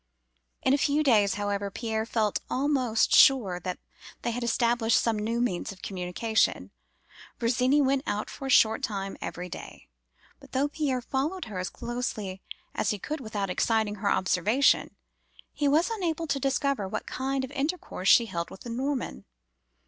"In a few days, however, Pierre felt almost sure that they had established some new means of communication. Virginie went out for a short time every day; but though Pierre followed her as closely as he could without exciting her observation, he was unable to discover what kind of intercourse she held with the Norman.